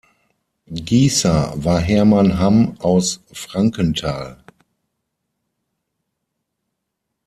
Gießer war Hermann Hamm aus Frankenthal.